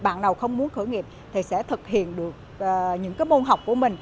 bạn nào không muốn khởi nghiệp thì sẽ thực hiện được những cái môn học của mình